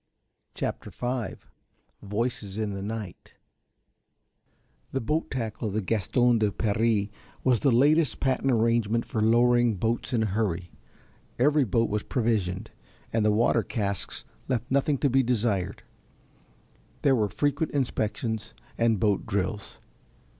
CHAPTER V VOICES IN THE NIGHT The boat tackle of the Gaston de Paris was the latest patent arrangement for lowering boats in a hurry; every boat was provisioned, and the water casks left nothing to be desired, there were frequent inspections and boat drills.